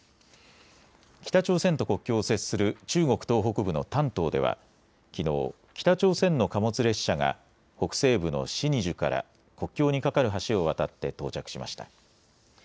北朝鮮と国境を接する中国東北部の丹東ではきのう北朝鮮の貨物列車が北西部のシニジュから国境に架かる橋を渡って到着しました。